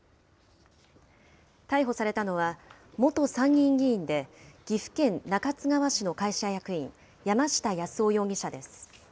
逮捕されたのは、元参議院議員で、岐阜県中津川市の会社役員、山下八洲夫容疑者です。